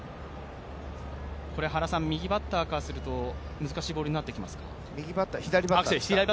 左バッターからすると難しいボールになってきますか？